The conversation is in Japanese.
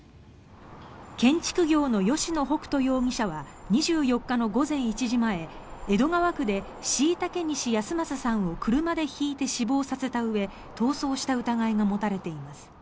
建築業の吉野北斗容疑者は２４日の午前１時前江戸川区で後嵩西安正さんを車でひいて死亡させたうえ逃走した疑いが持たれています。